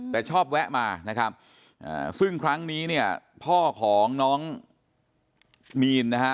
แต่ชอบแวะมานะครับซึ่งครั้งนี้เนี่ยพ่อของน้องมีนนะฮะ